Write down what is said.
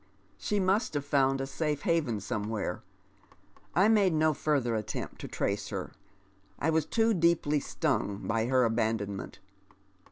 She must have found a safe haven somewhere. 1 made no further attempt to trace her. I was too deeply stung by her abandonment.